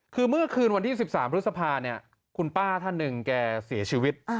คือเมื่อคืนวันที่๑๓พฤษภาเนี่ยคุณป้าท่านหนึ่งแกเสียชีวิต